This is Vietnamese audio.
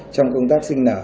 trong công tác sinh nở